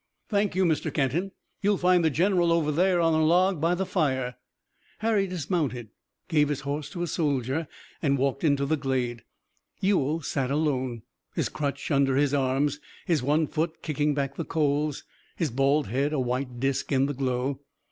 "Thank you, Mr. Kenton. You'll find the general over there on a log by the fire." Harry dismounted, gave his horse to a soldier and walked into the glade. Ewell sat alone, his crutch under his arms, his one foot kicking back the coals, his bald head a white disc in the glow.